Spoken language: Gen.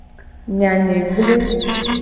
Nya nye gble.